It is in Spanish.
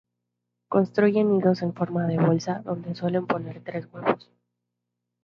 Construyen nidos en forma de bolsa, donde suelen poner tres huevos.